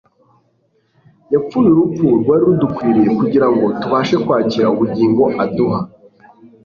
Yapfuye urupfu rwari rudukwiriye kugira ngo tubashe kwakira ubugingo aduha, "